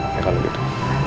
oke kalau begitu